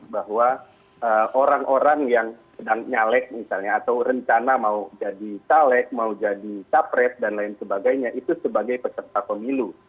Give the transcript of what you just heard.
bahwa orang orang yang sedang nyalek misalnya atau rencana mau jadi caleg mau jadi capres dan lain sebagainya itu sebagai peserta pemilu